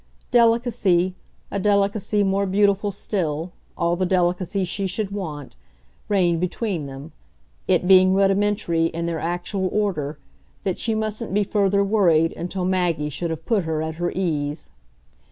Delicacy, a delicacy more beautiful still, all the delicacy she should want, reigned between them it being rudimentary, in their actual order, that she mustn't be further worried until Maggie should have put her at her ease.